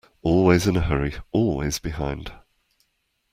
Always in a hurry, always behind.